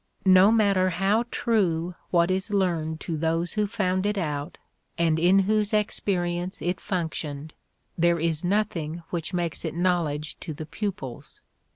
No matter how true what is learned to those who found it out and in whose experience it functioned, there is nothing which makes it knowledge to the pupils.